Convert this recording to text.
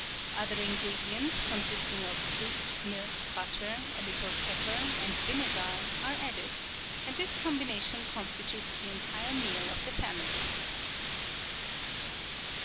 Other ingredients, consisting of suit, milk, butter, a little pepper, and vinegar, are added, and this combination constitutes the entire meal of the family.